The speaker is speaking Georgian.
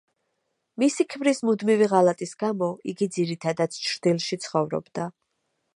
მისი ქმრის მუდმივი ღალატის გამო, იგი ძირითადად ჩრდილში ცხოვრობდა.